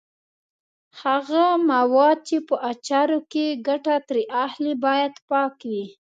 هغه مواد چې په اچارو کې ګټه ترې اخلي باید پاک وي.